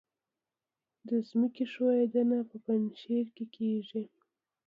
د ځمکې ښویدنه په پنجشیر کې کیږي